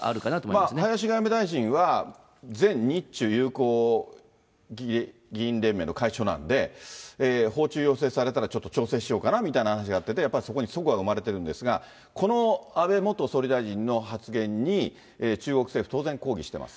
まあ、林外務大臣は、前日中友好議員連盟の会長なんで、訪中要請されたら、ちょっと調整しようかなみたいな話になってて、やっぱり、そこでそごが生まれてるんですが、この安倍元総理大臣の発言に中国政府、当然抗議してます。